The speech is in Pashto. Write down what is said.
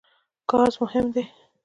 ګاز مهم دی.